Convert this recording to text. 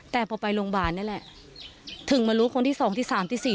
แต่พอไปโรงพยาบาลเนี้ยแหละถึงมารู้คนที่สองที่สามที่สี่